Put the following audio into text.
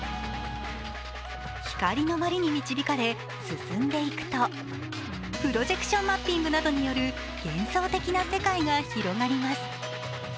光の鞠に導かれ、進んでいくとプロジェクションマッピングなどによる幻想的な世界が広がります。